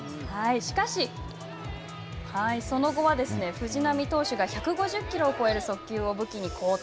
しかし、その後は、藤浪投手が１５０キロを超える速球を武器に好投。